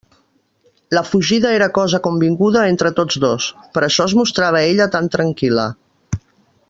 La fugida era cosa convinguda entre tots dos: per això es mostrava ella tan tranquil·la.